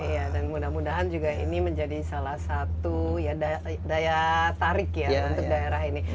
iya dan mudah mudahan juga ini menjadi salah satu daya tarik ya untuk daerah ini